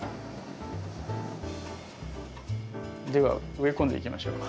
では植え込んでいきましょう。